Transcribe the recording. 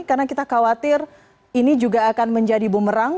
karena kita khawatir ini juga akan menjadi bumerang